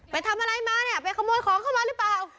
ไปทำอะไรมาเนี่ยไปขโมยของเข้ามาหรือเปล่า